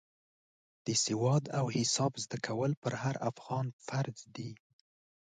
د سواد او حساب زده کول پر هر افغان فرض دی.